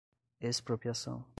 expropriação